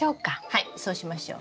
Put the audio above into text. はいそうしましょう。